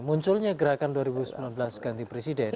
munculnya gerakan dua ribu sembilan belas ganti presiden